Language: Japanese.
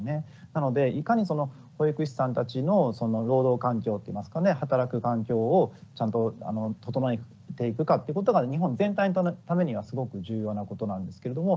なのでいかにその保育士さんたちの労働環境っていいますかね働く環境をちゃんと整えていくかってことが日本全体のためにはすごく重要なことなんですけれども。